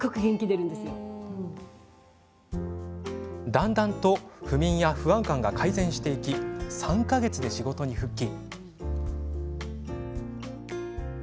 だんだんと不眠や不安感が改善していき３か月で仕事に復帰。